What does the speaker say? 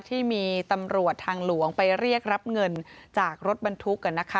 ที่มีตำรวจทางหลวงไปเรียกรับเงินจากรถบรรทุก